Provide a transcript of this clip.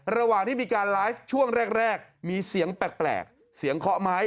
ระหว่างที่มีการไลฟ์ช่วงแรกมีเสียงแปลกเสียงเคาะไม้